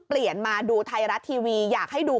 เปลี่ยนมาดูไทรรัฐทีวีอยากให้ดู